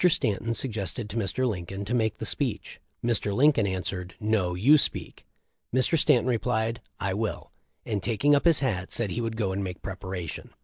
Stanton suggested to Mr. Lincoln to make the speech. Mr. Lincoln answered. 'No, you speak.' Mr. Stanton replied, T will/ and taking up his hat, said he would go and make preparation. Mr.